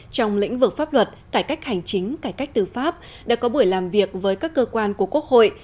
trong lĩnh vực pháp luật cải cách hành chính cải cách tư pháp đã có buổi làm việc với các cơ quan của quốc hội